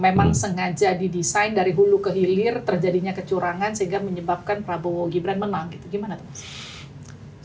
memang sengaja didesain dari hulu ke hilir terjadinya kecurangan sehingga menyebabkan prabowo gibran menang gitu gimana